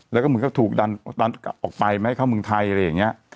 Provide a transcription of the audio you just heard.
แล้วก็เหมือนกับถูกดันออกไปไม่ให้เข้าเมืองไทยอะไรอย่างนี้